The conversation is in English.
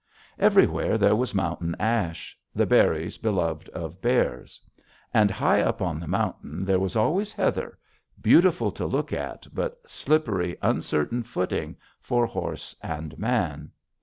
Everywhere there was mountain ash, the berries beloved of bears. And high up on the mountain there was always heather, beautiful to look at but slippery, uncertain footing for horse and man.